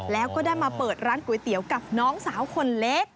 แล้วก็ได้มาเปิดร้านก๋วยเตี๋ยวกับน้องสาวคนเล็ก